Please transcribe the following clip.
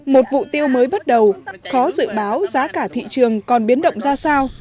một vụ tiêu mới bắt đầu khó dự báo giá cả thị trường còn biến động ra sao